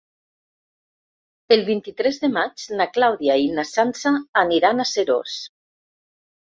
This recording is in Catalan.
El vint-i-tres de maig na Clàudia i na Sança aniran a Seròs.